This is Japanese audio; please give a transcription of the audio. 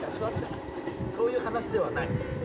そういう話ではない。